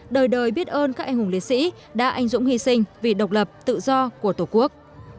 đời đời biết ơn các anh hùng liệt sĩ đã anh dũng hy sinh vì độc lập tự do của tổ quốc